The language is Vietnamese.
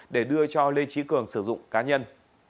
để đưa cho lê trí cường sử dụng cá nhân